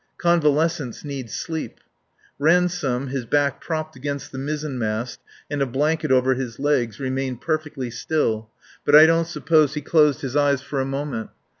Convalescents need sleep. Ransome, his back propped against the mizzen mast and a blanket over his legs, remained perfectly still, but I don't suppose he closed his eyes for a moment.